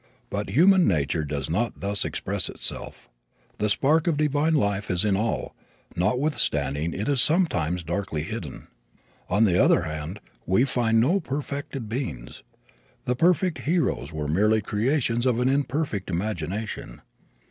But human nature does not thus express itself. The spark of divine life is in all, notwithstanding it is sometimes darkly hidden. On the other hand we find no perfected beings. The perfect heroes were merely creations of an imperfect imagination.